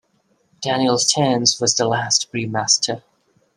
Daniel Stearns was the last brewmaster.